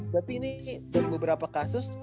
berarti ini dari beberapa kasus